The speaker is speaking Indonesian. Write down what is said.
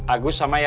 agus sama yayat